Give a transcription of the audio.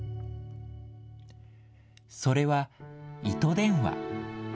それは、糸電話。